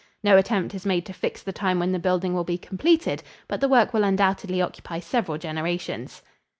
No attempt is made to fix the time when the building will be completed, but the work will undoubtedly occupy several generations.